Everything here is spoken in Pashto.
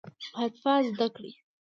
حرفه زده کړئ